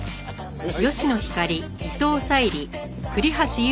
はい。